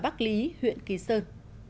bác lý huyện kỳ sơn